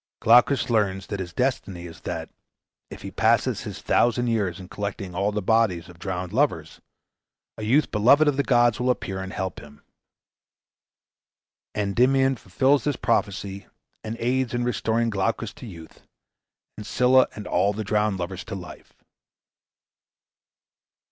Glaucus learns that his destiny is that, if he passes his thousand years in collecting all the bodies of drowned lovers, a youth beloved of the gods will appear and help him. Endymion fulfils this prophecy, and aids in restoring Glaucus to youth, and Scylla and all the drowned lovers to life.